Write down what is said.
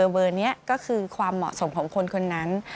เบอร์นี้ก็คือความเหมาะสมของคนคนนั้น